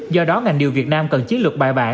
do đó ngành điều việt nam cần chiến lược bài bản